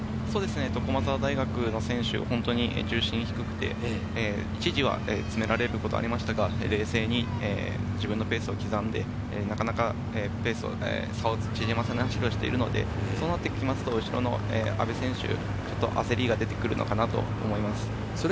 駒澤大学の選手は重心が低くて一時は詰められることはありましたけれども、冷静に自分のペースを刻んで、なかなか差を縮ませない走りをしているので、そうなると後ろの阿部選手、ちょっと焦りが出てくるのかなと思います。